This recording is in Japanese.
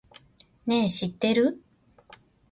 ねぇ、知ってる？